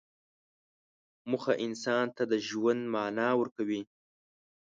موخه انسان ته د ژوند معنی ورکوي.